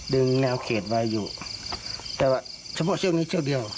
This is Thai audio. แนวเขตไว้อยู่แต่ว่าเฉพาะเชือกนี้เชือกเดียว